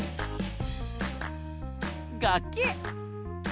がけ。